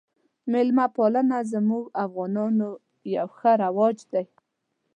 میلمه پالنه زموږ افغانانو یو ښه رواج دی